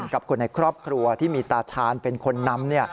กับคนในครอบครัวที่มีตาชาญเป็นคนนำ